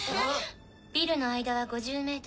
ビルの間は５０ｍ。